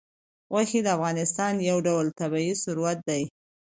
غوښې د افغانستان یو ډول طبعي ثروت دی.